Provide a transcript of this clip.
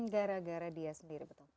gara gara dia sendiri betul